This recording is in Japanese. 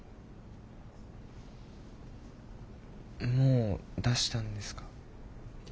もう出したんですか？